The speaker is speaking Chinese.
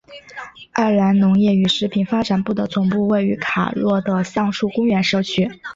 爱尔兰农业与食品发展部的总部位于卡洛的橡树公园社区。